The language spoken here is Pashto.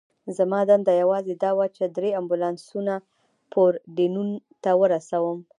زما دنده یوازې دا وه، چې درې امبولانسونه پورډینون ته ورسوم.